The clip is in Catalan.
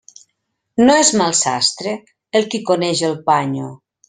No és mal sastre, el qui coneix el panyo.